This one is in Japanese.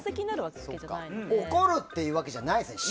怒るというわけじゃないんですよね。